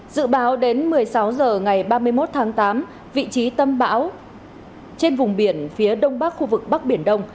dự báo đến một mươi sáu h ngày ba mươi một tháng tám vị trí tâm bão trên vùng biển phía đông bắc khu vực bắc biển đông